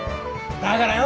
だからよ